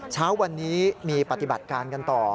เช้าวันนี้มีปฏิบัติการกันต่อ